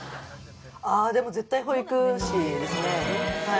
でも絶対、保育士ですね。